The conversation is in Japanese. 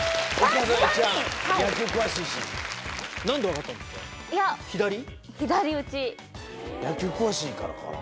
野球詳しいからかな。